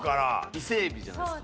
伊勢海老じゃないですか？